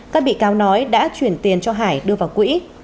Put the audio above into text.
các bị cáo nói đã chuyển tiền cho hải đưa vào quỹ